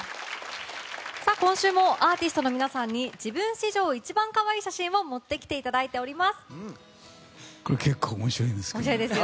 今週もアーティストの皆さんに自分史上一番かわいい写真を持ってきていただいています。